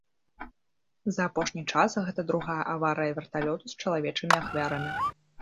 За апошні час гэта другая аварыя верталёту з чалавечымі ахвярамі.